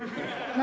何？